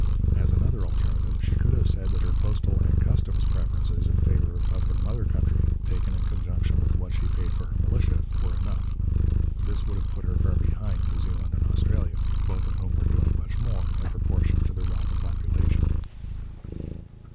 As another alternative she could have said that her postal and customs preferences in favour of the mother country, taken in conjunction with what she paid for her militia, were enough. This would have put her far behind New Zealand and Australia, both of whom were doing much more, in proportion to their wealth and population.